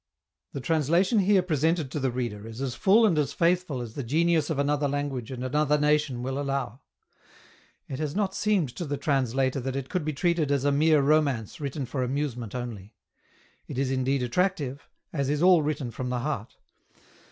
The translation here presented to the reader is as full and as faithful as the genius of another language and another nation will allow. It has not seemed to the translator that it could be treated as a mere romance written for amusement only. It is indeed attractive, as is all written from the heart.